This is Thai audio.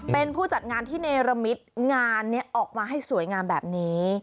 เป็นผู้จัดงานที่เนรมิตงานนี้ออกมาให้สวยงามแบบนี้